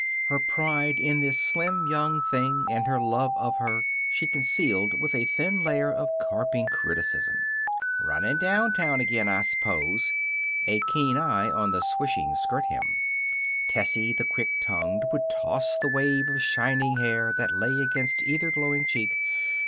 Her pride in this slim young thing and her love of her she concealed with a thin layer of carping criticism. "Runnin' downtown again, I s'pose." A keen eye on the swishing skirt hem. Tessie, the quick tongued, would toss the wave of shining hair that lay against either glowing cheek.